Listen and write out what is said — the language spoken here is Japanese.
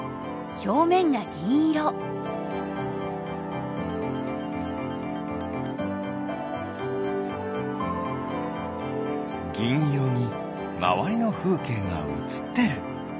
ぎんいろにまわりのふうけいがうつってる。